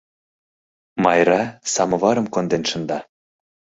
Майра самоварым конден шында.